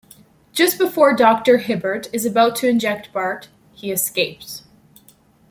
Just before Doctor Hibbert is about to inject Bart, he escapes.